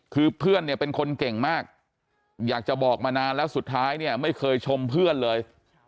คือเพื่อนเนี่ยเป็นคนเก่งมากอยากจะบอกมานานแล้วสุดท้ายเนี่ยไม่เคยชมเพื่อนเลย